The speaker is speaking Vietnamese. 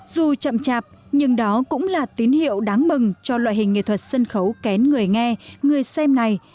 dù chậm chạp nhưng đó cũng là tín hiệu đáng mừng cho loại hình nghệ thuật sân khấu kén người nghe người xem này